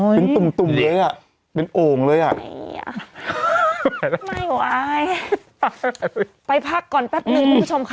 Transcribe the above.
เป็นตุ่มตุ่มเป็นโอ่งเลยอ่ะไม่ไหวไปพักก่อนแป๊บหนึ่งคุณผู้ชมค่ะ